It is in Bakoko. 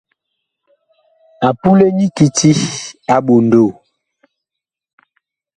A pule nyi kiti a ɓondoo.